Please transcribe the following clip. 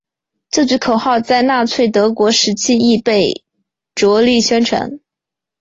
这句口号在纳粹德国时期亦被着力宣传。